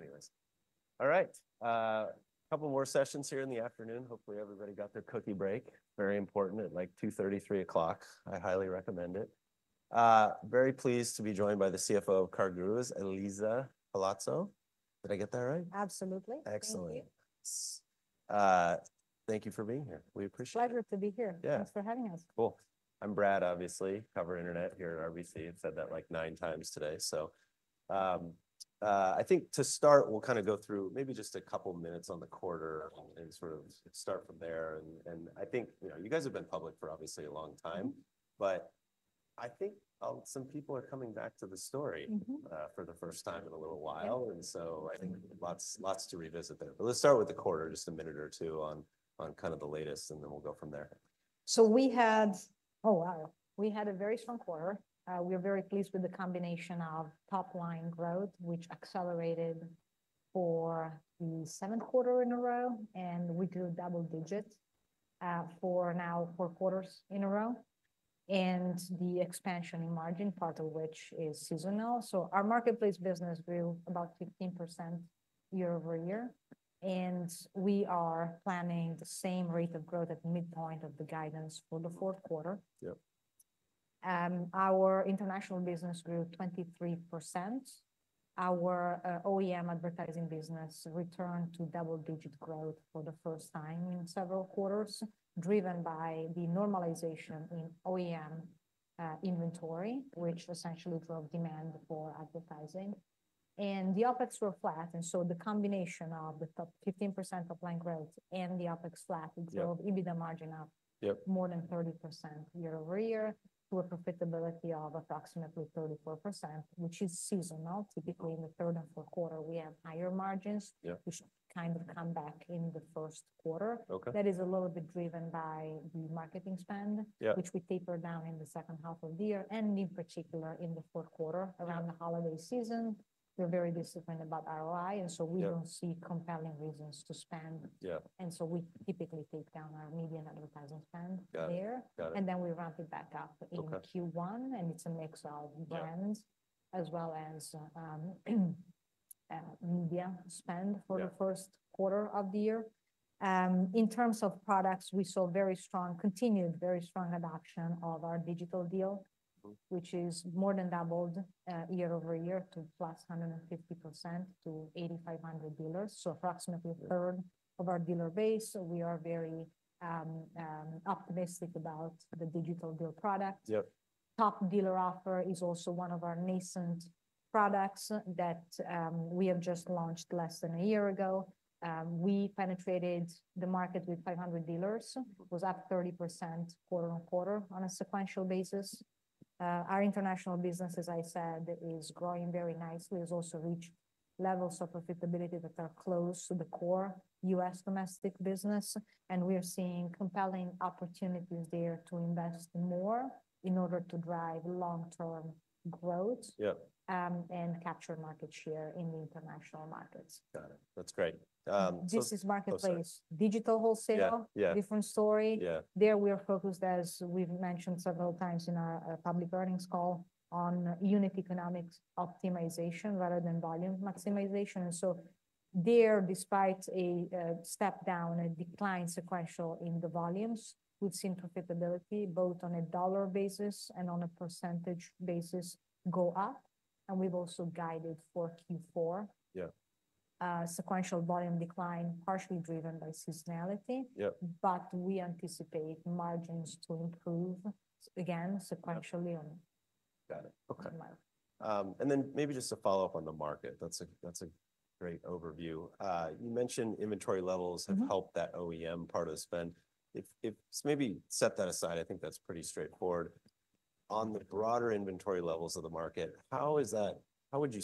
Anyways. All right. A couple more sessions here in the afternoon. Hopefully, everybody got their cookie break. Very important at like 2:33 P.M. I highly recommend it. Very pleased to be joined by the CFO of CarGurus, Elisa Palazzo. Did I get that right? Absolutely. Excellent. Thank you for being here. We appreciate it. Pleasure to be here. Thanks for having us. Cool. I'm Brad, obviously, cover internet here at RBC, and said that like nine times today. So, I think to start, we'll kind of go through maybe just a couple of minutes on the quarter and sort of start from there. And I think you guys have been public for obviously a long time, but I think some people are coming back to the story for the first time in a little while. And so I think lots to revisit there. But let's start with the quarter, just a minute or two on kind of the latest, and then we'll go from there. We had a very strong quarter. We are very pleased with the combination of top-line growth, which accelerated for the seventh quarter in a row, and we do double-digit for now four quarters in a row, and the expansion in margin, part of which is seasonal. Our marketplace business grew about 15% year-over-year. We are planning the same rate of growth at midpoint of the guidance for the fourth quarter. Our international business grew 23%. Our OEM advertising business returned to double-digit growth for the first time in several quarters, driven by the normalization in OEM inventory, which essentially drove demand for advertising. The OpEx were flat. The combination of the 15% top-line growth and the OpEx flat drove EBITDA margin up more than 30% year-over-year to a profitability of approximately 34%, which is seasonal. Typically, in the third and fourth quarter, we have higher margins, which kind of come back in the first quarter. That is a little bit driven by the marketing spend, which we tapered down in the second half of the year, and in particular in the fourth quarter around the holiday season. We're very disciplined about ROI, and so we don't see compelling reasons to spend, and so we typically take down our median advertising spend there, and then we ramp it back up in Q1, and it's a mix of brands as well as media spend for the first quarter of the year. In terms of products, we saw very strong, continued very strong adoption of our Digital Deal, which is more than doubled year-over-year to +150% to 8,500 dealers. So approximately a 1/3 of our dealer base. We are very optimistic about the Digital Deal product. Top Dealer Offer is also one of our nascent products that we have just launched less than a year ago. We penetrated the market with 500 dealers. It was up 30% quarter-on-quarter on a sequential basis. Our international business, as I said, is growing very nicely. It has also reached levels of profitability that are close to the core U.S. domestic business. We are seeing compelling opportunities there to invest more in order to drive long-term growth and capture market share in the international markets. Got it. That's great. This is marketplace digital wholesale, different story. There we are focused, as we've mentioned several times in our public earnings call, on unit economics optimization rather than volume maximization. And so there, despite a step down, a sequential decline in the volumes, we've seen profitability both on a dollar basis and on a percentage basis go up. And we've also guided for Q4 sequential volume decline, partially driven by seasonality, but we anticipate margins to improve again sequentially. Got it. Okay. And then maybe just to follow up on the market, that's a great overview. You mentioned inventory levels have helped that OEM part of the spend. So maybe set that aside. I think that's pretty straightforward. On the broader inventory levels of the market, how would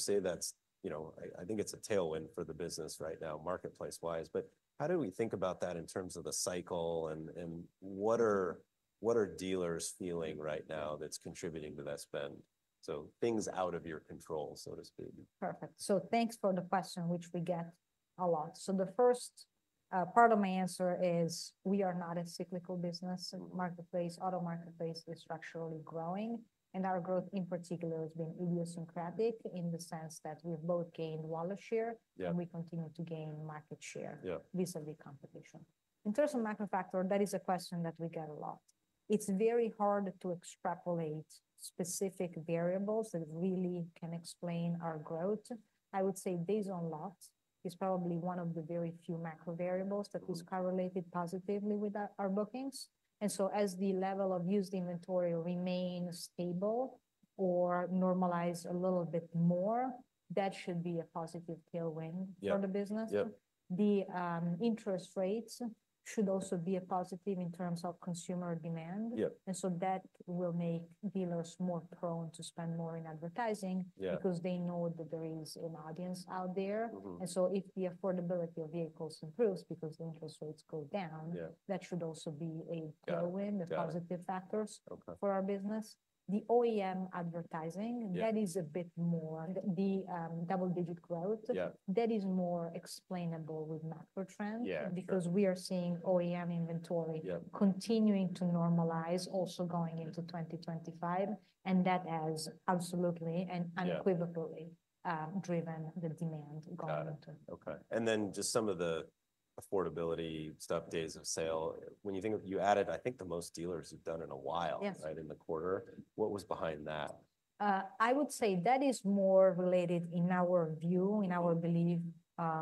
you say that's. I think it's a tailwind for the business right now, marketplace-wise. But how do we think about that in terms of the cycle, and what are dealers feeling right now that's contributing to that spend? So things out of your control, so to speak. Perfect. So thanks for the question, which we get a lot. So the first part of my answer is we are not a cyclical business. Marketplace, auto marketplace is structurally growing. And our growth in particular has been idiosyncratic in the sense that we've both gained wallet share, and we continue to gain market share vis-à-vis competition. In terms of macro factor, that is a question that we get a lot. It's very hard to extrapolate specific variables that really can explain our growth. I would say days on lot is probably one of the very few macro variables that is correlated positively with our bookings. And so as the level of used inventory remains stable or normalized a little bit more, that should be a positive tailwind for the business. The interest rates should also be a positive in terms of consumer demand. And so that will make dealers more prone to spend more in advertising because they know that there is an audience out there. And so if the affordability of vehicles improves because the interest rates go down, that should also be a tailwind, a positive factor for our business. The OEM advertising, that is a bit more. The double-digit growth, that is more explainable with macro trends because we are seeing OEM inventory continuing to normalize also going into 2025. And that has absolutely and unequivocally driven the demand going into. Got it. Okay. And then just some of the affordability stuff, days of sale. When you think of—you added, I think the most dealers have done in a while, right, in the quarter. What was behind that? I would say that is more related, in our view, in our belief,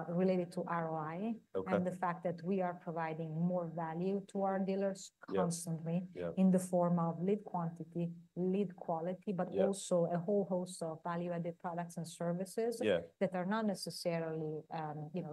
related to ROI and the fact that we are providing more value to our dealers constantly in the form of lead quantity, lead quality, but also a whole host of value-added products and services that are not necessarily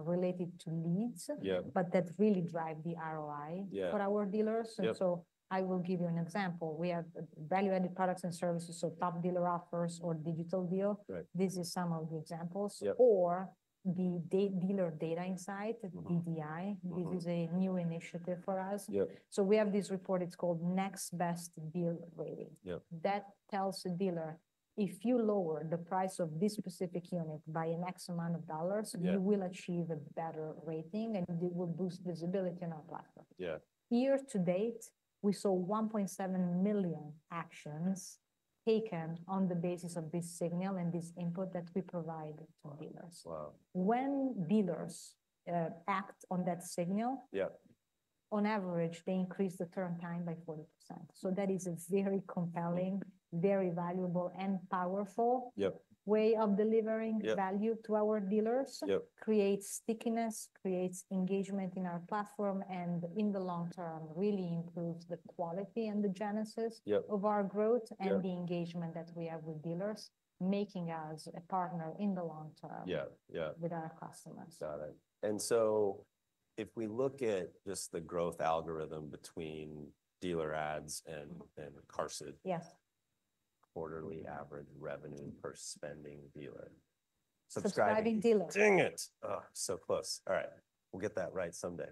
related to leads, but that really drive the ROI for our dealers, and so I will give you an example. We have value-added products and services, so Top Dealer Offers or Digital Deal. This is some of the examples. Or the Dealer Data Insight, DDI. This is a new initiative for us, so we have this report. It's called Next Best Deal Rating. That tells the dealer, if you lower the price of this specific unit by an X amount of dollars, you will achieve a better rating, and it will boost visibility on our platform. Yeah, year to date, we saw 1.7 million actions taken on the basis of this signal and this input that we provide to dealers. When dealers act on that signal, on average, they increase the turn time by 40%. So that is a very compelling, very valuable, and powerful way of delivering value to our dealers. Creates stickiness, creates engagement in our platform, and in the long term, really improves the quality and the genesis of our growth and the engagement that we have with dealers, making us a partner in the long term with our customers. Got it, and so if we look at just the growth algorithm between dealer ads and QARSD, quarterly average revenue per spending dealer. Subscribing dealer. Dang it. So close. All right. We'll get that right someday.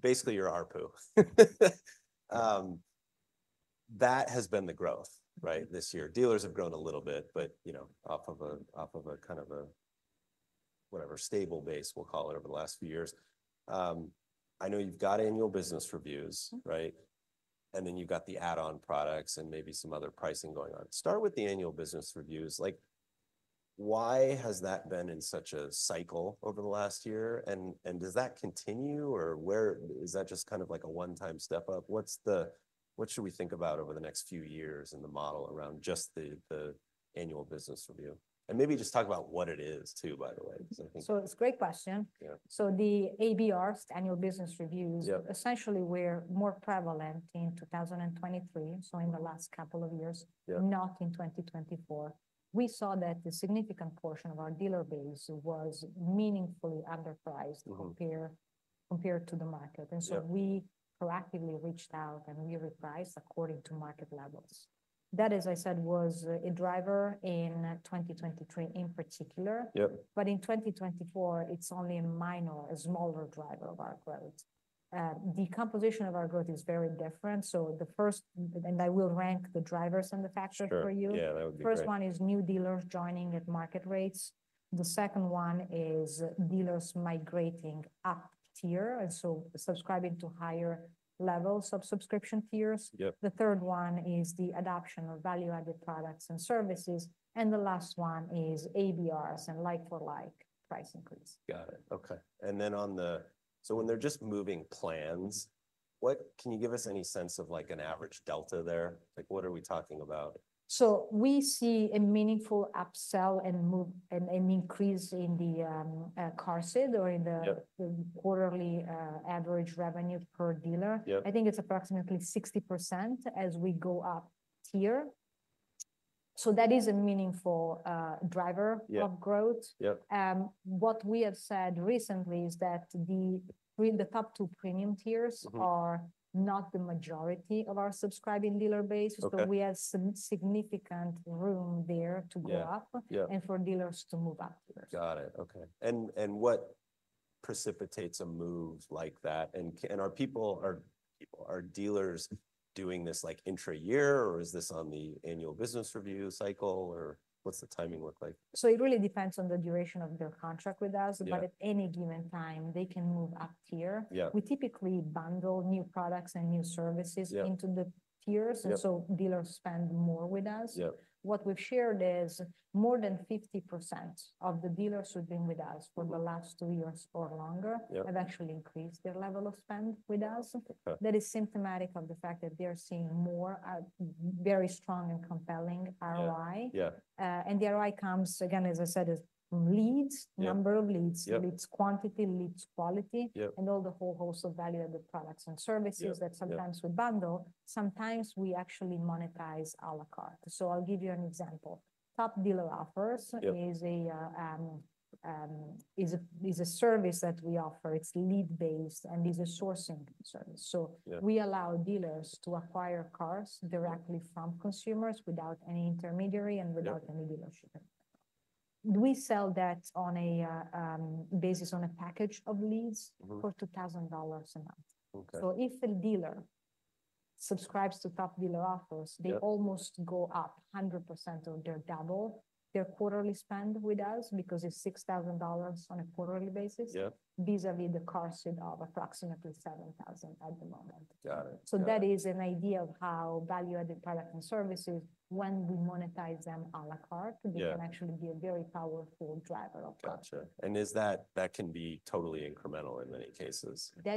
Basically, you're our guru. That has been the growth, right, this year. Dealers have grown a little bit, but off of a kind of a, whatever, stable base, we'll call it, over the last few years. I know you've got annual business reviews, right, and then you've got the add-on products and maybe some other pricing going on. Start with the annual business reviews. Why has that been in such a cycle over the last year, and does that continue, or is that just kind of like a one-time step up? What should we think about over the next few years in the model around just the annual business review? And maybe just talk about what it is too, by the way, because I think. It's a great question. The ABRs, annual business reviews, essentially were more prevalent in 2023, so in the last couple of years, not in 2024. We saw that a significant portion of our dealer base was meaningfully underpriced compared to the market. And so we proactively reached out and we repriced according to market levels. That, as I said, was a driver in 2023 in particular. But in 2024, it's only a minor, a smaller driver of our growth. The composition of our growth is very different. The first, and I will rank the drivers and the factors for you. The first one is new dealers joining at market rates. The second one is dealers migrating up tier and so subscribing to higher levels of subscription tiers. The third one is the adoption of value-added products and services. The last one is ABRs and like-for-like price increase. Got it. Okay. And then, so when they're just moving plans, can you give us any sense of an average delta there? What are we talking about? So we see a meaningful upsell and an increase in the QARSD or in the quarterly average revenue per dealer. I think it's approximately 60% as we go up tier. So that is a meaningful driver of growth. What we have said recently is that the top two premium tiers are not the majority of our subscribing dealer base. So we have some significant room there to go up and for dealers to move up. Got it. Okay. And what precipitates a move like that? And are dealers doing this intra-year, or is this on the annual business review cycle, or what's the timing look like? So it really depends on the duration of their contract with us. But at any given time, they can move up tier. We typically bundle new products and new services into the tiers, and so dealers spend more with us. What we've shared is more than 50% of the dealers who've been with us for the last two years or longer have actually increased their level of spend with us. That is symptomatic of the fact that they are seeing more very strong and compelling ROI. And the ROI comes, again, as I said, is leads, number of leads, leads quantity, leads quality, and all the whole host of value-added products and services that sometimes we bundle. Sometimes we actually monetize à la carte. So I'll give you an example. Top Dealer Offer is a service that we offer. It's lead-based, and it's a sourcing service. We allow dealers to acquire cars directly from consumers without any intermediary and without any dealership. We sell that on a basis of a package of leads for $2,000 a month. If a dealer subscribes to Top Dealer Offers, they almost go up 100%, double their quarterly spend with us because it's $6,000 on a quarterly basis vis-à-vis the QARSD of approximately $7,000 at the moment. That is an idea of how value-added products and services, when we monetize them à la carte, they can actually be a very powerful driver of that. Gotcha. And that can be totally incremental in many cases for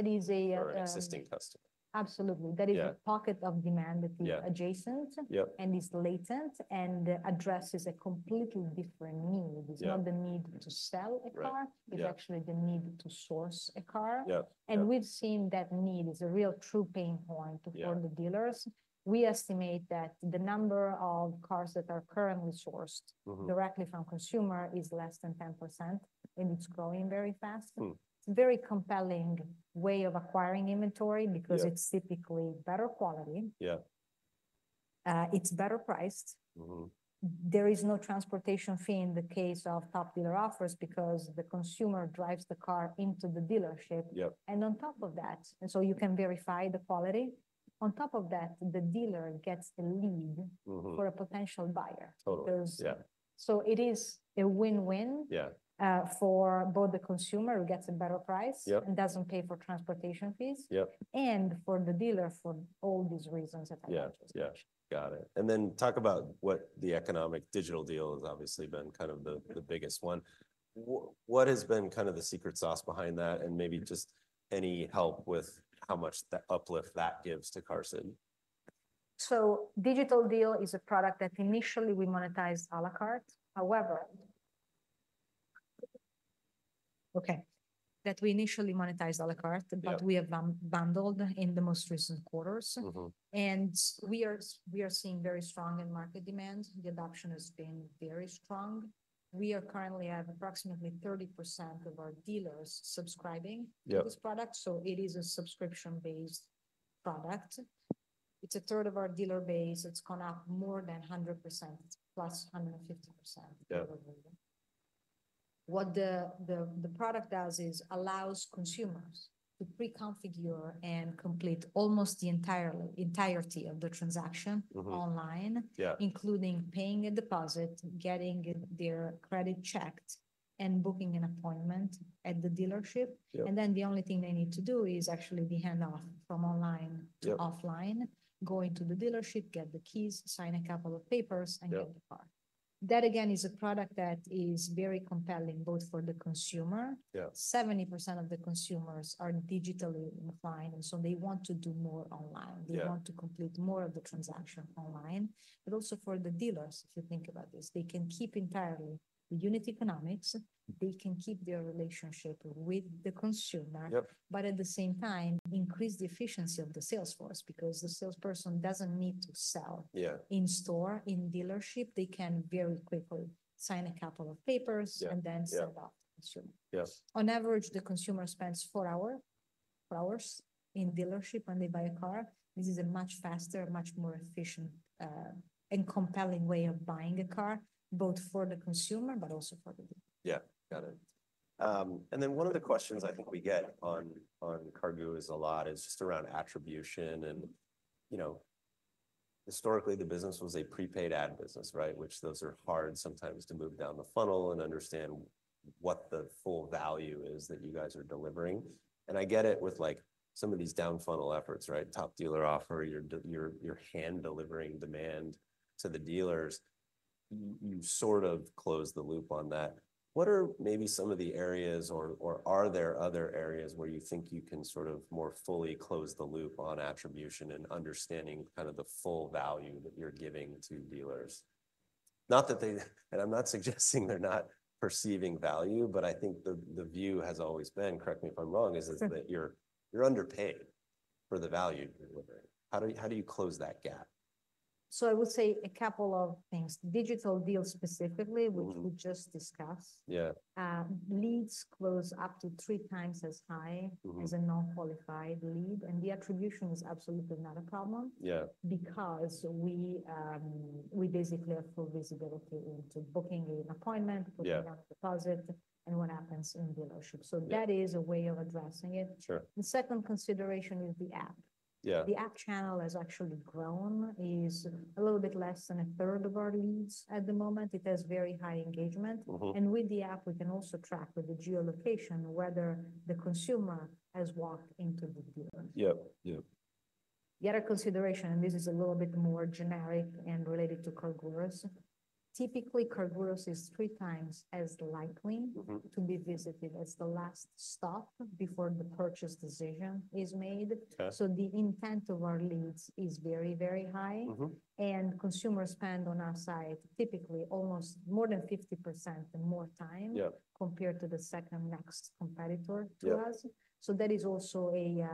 an existing customer. Absolutely. That is a pocket of demand that is adjacent and is latent and addresses a completely different need. It's not the need to sell a car. It's actually the need to source a car. And we've seen that need is a real true pain point for the dealers. We estimate that the number of cars that are currently sourced directly from consumers is less than 10%, and it's growing very fast. It's a very compelling way of acquiring inventory because it's typically better quality. It's better priced. There is no transportation fee in the case of Top Dealer Offers because the consumer drives the car into the dealership. And on top of that, and so you can verify the quality. On top of that, the dealer gets a lead for a potential buyer. So it is a win-win for both the consumer who gets a better price and doesn't pay for transportation fees and for the dealer for all these reasons that I mentioned. Yeah. Got it, and then talk about what the iconic Digital Deal has obviously been kind of the biggest one. What has been kind of the secret sauce behind that and maybe just any help with how much uplift that gives to QARSD? Digital Deal is a product that initially we monetized à la carte. However, we have bundled in the most recent quarters. We are seeing very strong in-market demand. The adoption has been very strong. We currently have approximately 30% of our dealers subscribing to this product. It is a subscription-based product. It's a 1/3 of our dealer base. It's gone up more than 100%, +150%. What the product does is allows consumers to pre-configure and complete almost the entirety of the transaction online, including paying a deposit, getting their credit checked, and booking an appointment at the dealership. Then the only thing they need to do is actually the handoff from online to offline, going to the dealership, get the keys, sign a couple of papers, and get the car. That, again, is a product that is very compelling both for the consumer. 70% of the consumers are digitally inclined, and so they want to do more online. They want to complete more of the transaction online. But also for the dealers, if you think about this, they can keep entirely the unit economics. They can keep their relationship with the consumer, but at the same time, increase the efficiency of the salesforce because the salesperson doesn't need to sell in-store in dealership. They can very quickly sign a couple of papers and then sell off to the consumer. On average, the consumer spends four hours in dealership when they buy a car. This is a much faster, much more efficient, and compelling way of buying a car, both for the consumer, but also for the dealer. Yeah. Got it. And then one of the questions I think we get on CarGurus a lot is just around attribution. And historically, the business was a prepaid ad business, right? Which those are hard sometimes to move down the funnel and understand what the full value is that you guys are delivering. And I get it with some of these downfunnel efforts, right? Top Dealer Offer, you're hand-delivering demand to the dealers. You sort of closed the loop on that. What are maybe some of the areas, or are there other areas where you think you can sort of more fully close the loop on attribution and understanding kind of the full value that you're giving to dealers? Not that they, and I'm not suggesting they're not perceiving value, but I think the view has always been, correct me if I'm wrong, is that you're underpaid for the value you're delivering. How do you close that gap? I would say a couple of things. Digital Deal specifically, which we just discussed. Leads close up to three times as high as a non-qualified lead. The attribution is absolutely not a problem because we basically have full visibility into booking an appointment, putting down a deposit, and what happens in dealership. That is a way of addressing it. The second consideration is the app. The app channel has actually grown, is a little bit less than a third of our leads at the moment. It has very high engagement. With the app, we can also track with the geolocation whether the consumer has walked into the dealer. The other consideration, and this is a little bit more generic and related to CarGurus, typically CarGurus is three times as likely to be visited as the last stop before the purchase decision is made. So the intent of our leads is very, very high. And consumers spend on our side typically almost more than 50% more time compared to the second next competitor to us. So that is also a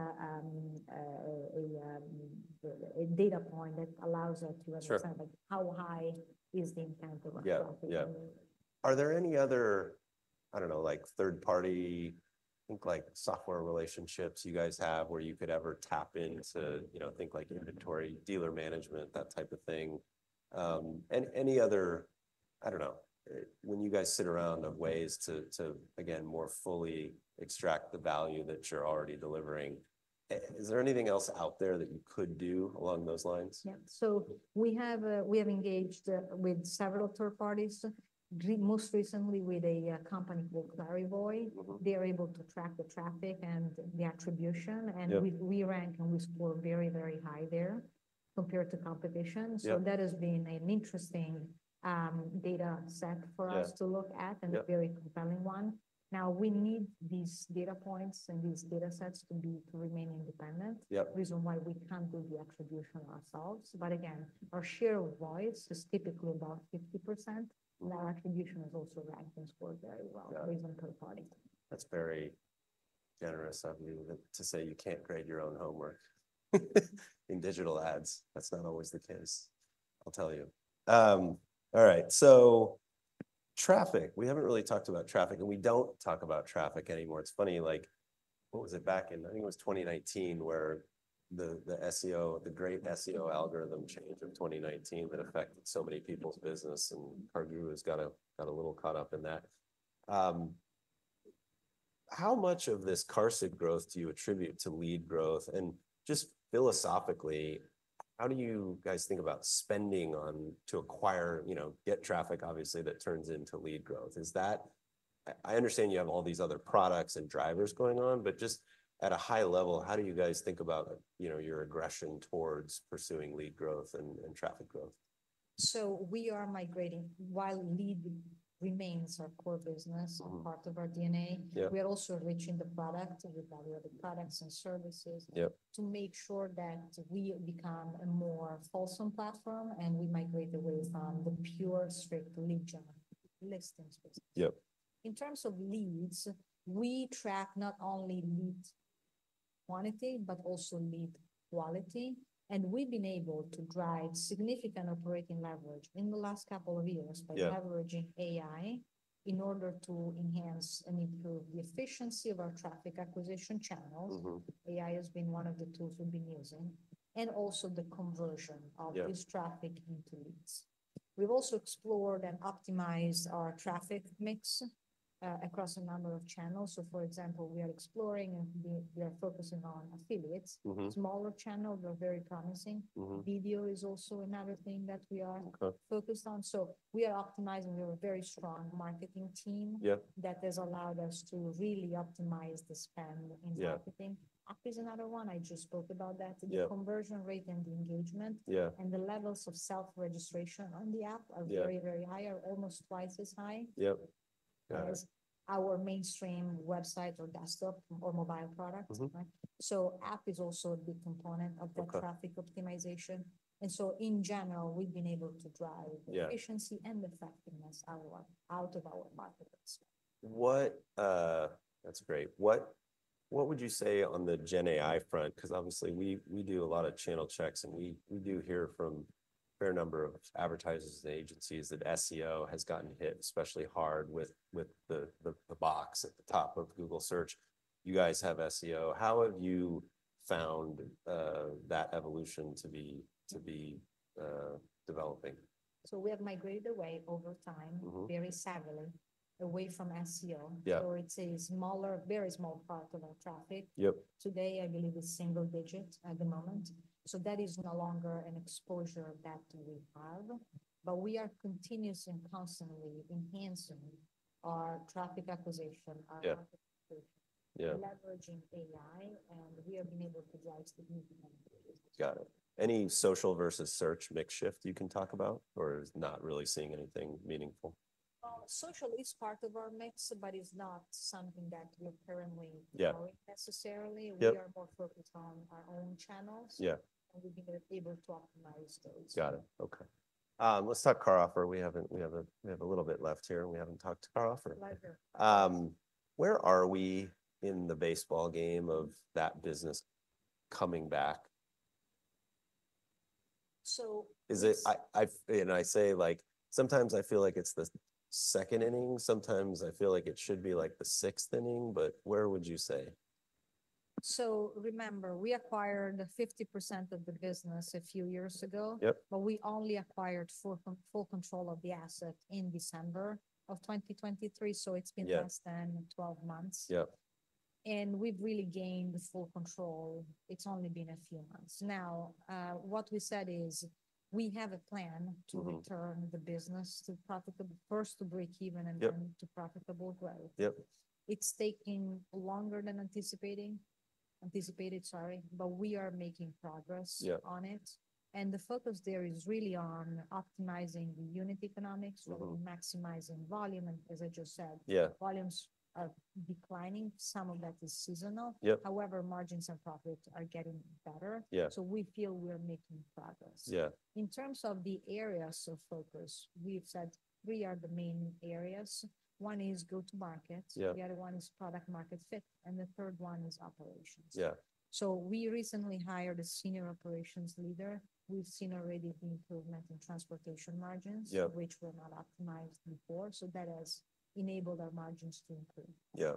data point that allows us to understand how high is the intent of our car dealer. Are there any other, I don't know, third-party software relationships you guys have where you could ever tap into things like inventory, dealer management, that type of thing? And any other, I don't know, when you guys sit around thinking of ways to, again, more fully extract the value that you're already delivering, is there anything else out there that you could do along those lines? Yeah. So we have engaged with several third parties, most recently with a company called Clarivoy. They are able to track the traffic and the attribution. We rank and we score very, very high there compared to competition. That has been an interesting data set for us to look at and a very compelling one. We need these data points and these data sets to remain independent. The reason why we can't do the attribution ourselves. Our share of voice is typically about 50%. Our attribution is also ranked and scored very well within third party. That's very generous of you to say you can't grade your own homework in digital ads. That's not always the case. I'll tell you. All right. So traffic. We haven't really talked about traffic, and we don't talk about traffic anymore. It's funny. What was it back in? I think it was 2019 where the great SEO algorithm change of 2019 that affected so many people's business, and CarGurus got a little caught up in that. How much of this QARSD growth do you attribute to lead growth? And just philosophically, how do you guys think about spending to acquire, get traffic, obviously, that turns into lead growth? I understand you have all these other products and drivers going on, but just at a high level, how do you guys think about your aggression towards pursuing lead growth and traffic growth? So we are migrating while lead remains our core business, part of our DNA. We are also enriching the product with other products and services to make sure that we become a more wholesome platform, and we migrate away from the pure, strict lead-generation listings. In terms of leads, we track not only lead quantity, but also lead quality. And we've been able to drive significant operating leverage in the last couple of years by leveraging AI in order to enhance and improve the efficiency of our traffic acquisition channels. AI has been one of the tools we've been using, and also the conversion of this traffic into leads. We've also explored and optimized our traffic mix across a number of channels. So for example, we are exploring and we are focusing on affiliates. Smaller channels are very promising. Video is also another thing that we are focused on. So we are optimizing. We have a very strong marketing team that has allowed us to really optimize the spend in marketing. App is another one. I just spoke about that. The conversion rate and the engagement and the levels of self-registration on the app are very, very high, almost twice as high as our mainstream website or desktop or mobile products. So app is also a big component of the traffic optimization. And so in general, we've been able to drive efficiency and effectiveness out of our marketplace. That's great. What would you say on the GenAI front? Because obviously, we do a lot of channel checks, and we do hear from a fair number of advertisers and agencies that SEO has gotten hit especially hard with the box at the top of Google Search. You guys have SEO. How have you found that evolution to be developing? So we have migrated away over time very sadly away from SEO. So it's a very small part of our traffic. Today, I believe it's single digit at the moment. So that is no longer an exposure that we have, but we are continuously and constantly enhancing our traffic acquisition, leveraging AI, and we have been able to drive significantly. Got it. Any social versus search mix shift you can talk about, or not really seeing anything meaningful? Social is part of our mix, but it's not something that we're currently growing necessarily. We are more focused on our own channels, and we've been able to optimize those. Got it. Okay. Let's talk CarOffer. We have a little bit left here, and we haven't talked to CarOffer. Pleasure. Where are we in the baseball game of that business coming back? And I say sometimes I feel like it's the second inning. Sometimes I feel like it should be the sixth inning, but where would you say? So remember, we acquired 50% of the business a few years ago, but we only acquired full control of the asset in December of 2023. So it's been less than 12 months. And we've really gained full control. It's only been a few months. Now, what we said is we have a plan to return the business to profitable, first to break even and then to profitable growth. It's taking longer than anticipated, but we are making progress on it. And the focus there is really on optimizing the unit economics, maximizing volume. And as I just said, volumes are declining. Some of that is seasonal. However, margins and profits are getting better. So we feel we are making progress. In terms of the areas of focus, we've said three are the main areas. One is go-to-market. The other one is product-market fit. And the third one is operations. We recently hired a senior operations leader. We've seen already the improvement in transportation margins, which were not optimized before. So that has enabled our margins to improve.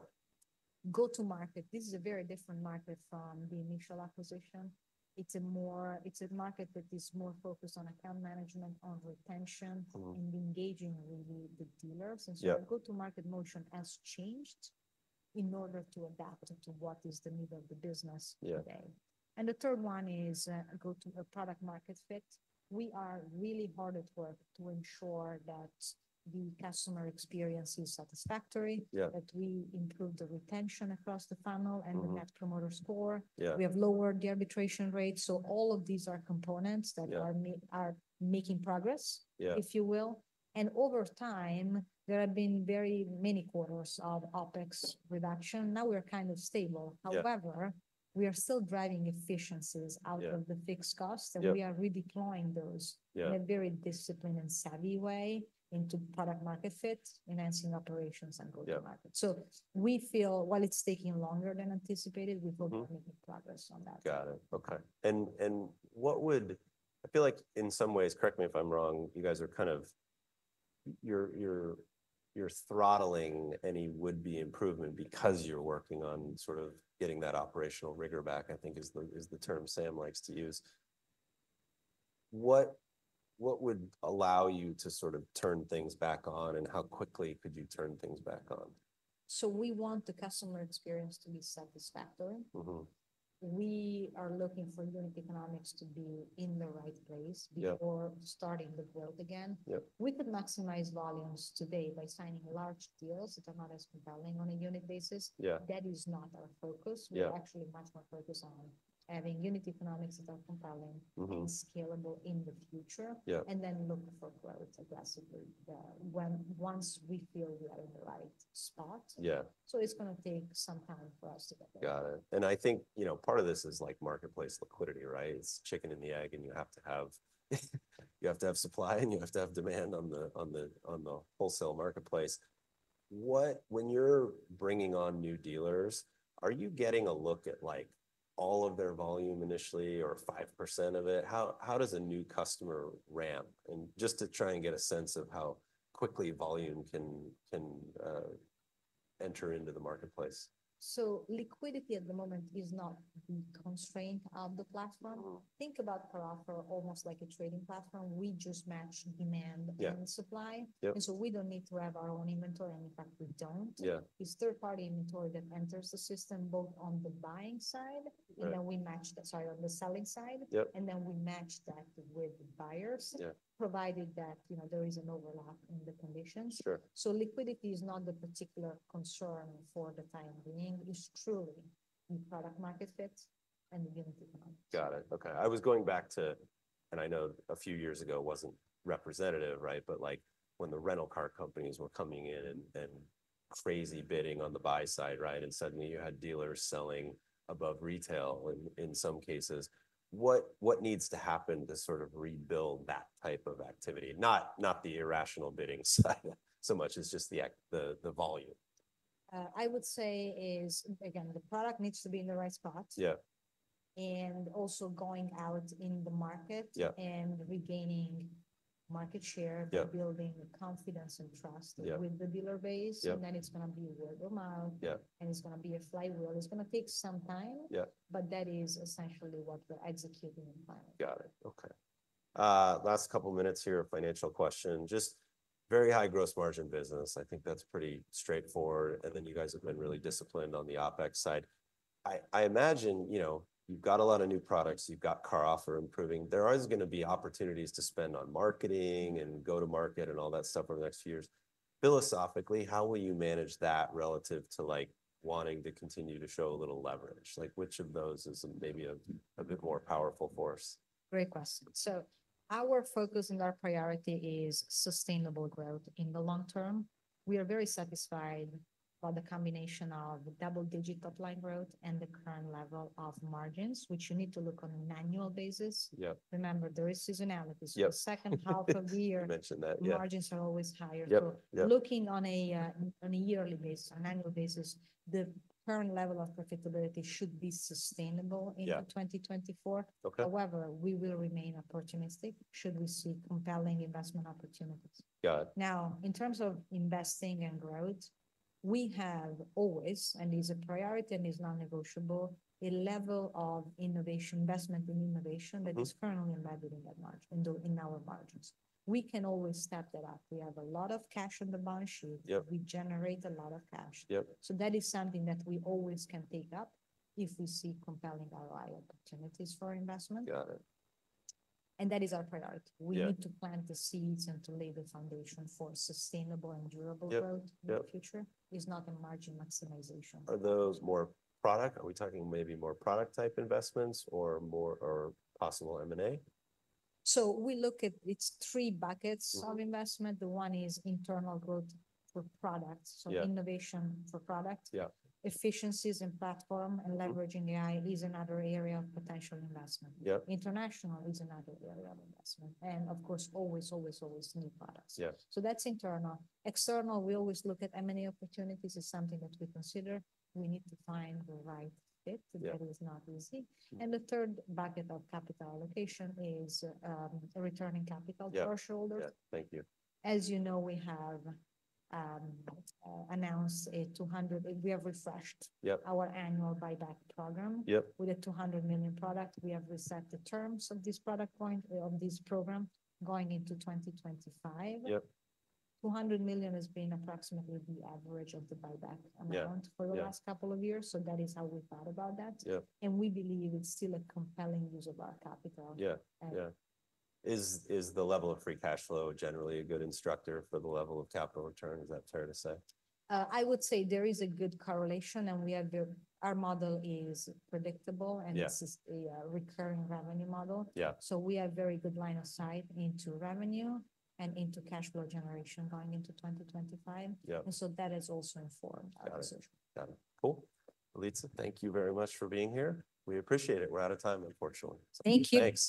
Go-to-market, this is a very different market from the initial acquisition. It's a market that is more focused on account management, on retention, and engaging with the dealers. And so the go-to-market motion has changed in order to adapt to what is the need of the business today. And the third one is go to a product market fit. We are really hard at work to ensure that the customer experience is satisfactory, that we improve the retention across the funnel, and we have promoter score. We have lowered the arbitration rate. So all of these are components that are making progress, if you will. And over time, there have been very many quarters of OpEx reduction. Now we are kind of stable. However, we are still driving efficiencies out of the fixed costs. We are redeploying those in a very disciplined and savvy way into product-market fit, enhancing operations and go-to-market. So we feel while it's taking longer than anticipated, we've already made progress on that. Got it. Okay. And I feel like in some ways, correct me if I'm wrong, you guys are kind of throttling any would-be improvement because you're working on sort of getting that operational rigor back, I think is the term Sam likes to use. What would allow you to sort of turn things back on, and how quickly could you turn things back on? So we want the customer experience to be satisfactory. We are looking for unit economics to be in the right place before starting the growth again. We could maximize volumes today by signing large deals that are not as compelling on a unit basis. That is not our focus. We are actually much more focused on having unit economics that are compelling and scalable in the future, and then look for growth aggressively once we feel we are in the right spot. So it's going to take some time for us to get there. Got it. And I think part of this is marketplace liquidity, right? It's chicken and the egg, and you have to have supply, and you have to have demand on the wholesale marketplace. When you're bringing on new dealers, are you getting a look at all of their volume initially or 5% of it? How does a new customer ramp? And just to try and get a sense of how quickly volume can enter into the marketplace. Liquidity at the moment is not the constraint of the platform. Think about CarOffer almost like a trading platform. We just match demand and supply. And so we don't need to have our own inventory. And in fact, we don't. It's third-party inventory that enters the system both on the buying side, and then we match that, sorry, on the selling side. And then we match that with buyers, provided that there is an overlap in the conditions. Liquidity is not the particular concern for the time being. It's truly the product-market fit and the unit economics. Got it. Okay. I was going back to, and I know a few years ago wasn't representative, right? But when the rental car companies were coming in and crazy bidding on the buy side, right? And suddenly you had dealers selling above retail in some cases. What needs to happen to sort of rebuild that type of activity? Not the irrational bidding so much. It's just the volume. I would say is, again, the product needs to be in the right spot. And also going out in the market and regaining market share, building confidence and trust with the dealer base. And then it's going to be a word of mouth, and it's going to be a flywheel. It's going to take some time, but that is essentially what we're executing and planning. Got it. Okay. Last couple of minutes here, financial question. Just very high gross margin business. I think that's pretty straightforward, and then you guys have been really disciplined on the OpEx side. I imagine you've got a lot of new products. You've got CarOffer improving. There are always going to be opportunities to spend on marketing and go-to-market and all that stuff over the next few years. Philosophically, how will you manage that relative to wanting to continue to show a little leverage? Which of those is maybe a bit more powerful force? Great question. Our focus and our priority is sustainable growth in the long term. We are very satisfied by the combination of double-digit online growth and the current level of margins, which you need to look on an annual basis. Remember, there is seasonality. The second half of the year, the margins are always higher. Looking on a yearly basis, on an annual basis, the current level of profitability should be sustainable into 2024. However, we will remain opportunistic should we see compelling investment opportunities. Now, in terms of investing and growth, we have always, and it's a priority and it's non-negotiable, a level of investment in innovation that is currently embedded in our margins. We can always step that up. We have a lot of cash on the balance sheet. We generate a lot of cash. So that is something that we always can take up if we see compelling ROI opportunities for investment. And that is our priority. We need to plant the seeds and to lay the foundation for sustainable and durable growth in the future. It's not a margin maximization. Are those more product? Are we talking maybe more product-type investments or possible M&A? So we look at three buckets of investment. The one is internal growth for product. So innovation for product. Efficiencies and platform and leveraging AI is another area of potential investment. International is another area of investment. And of course, always, always, always new products. So that's internal. External, we always look at M&A opportunities. It's something that we consider. We need to find the right fit. That is not easy. And the third bucket of capital allocation is returning capital to our shareholders. Thank you. As you know, we have announced a $200 million. We have refreshed our annual buyback program with a $200 million program. We have reset the terms of this program. Point of this program going into 2025. $200 million has been approximately the average of the buyback amount for the last couple of years, so that is how we thought about that, and we believe it's still a compelling use of our capital. Is the level of free cash flow generally a good indicator for the level of capital return? Is that fair to say? I would say there is a good correlation, and our model is predictable, and this is a recurring revenue model. So we have a very good line of sight into revenue and into cash flow generation going into 2025, and so that has also informed our decision. Got it. Got it. Cool. Elisa, thank you very much for being here. We appreciate it. We're out of time, unfortunately. Thank you.